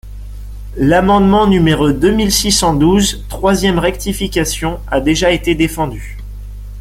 L’amendement numéro deux mille six cent douze, troisième rectification, a déjà été défendu.